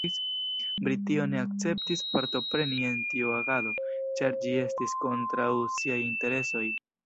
Britio ne akceptis partopreni en tiu agado, ĉar ĝi estis kontraŭ siaj interesoj.